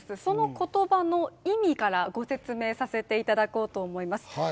その言葉の意味からご説明させていただこうと思います